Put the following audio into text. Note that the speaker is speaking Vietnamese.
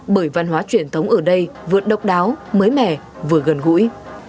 bởi văn hóa truyền thống ở đây vượt độc đáo mới mẻ vừa gần gũi